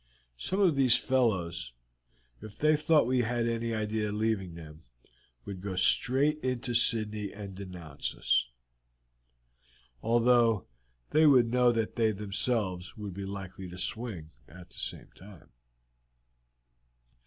Some of those fellows, if they thought we had any idea of leaving them, would go straight into Sydney and denounce us, although they would know that they themselves would be likely to swing at the same time."